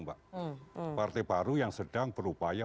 partai baru yang sedang berupaya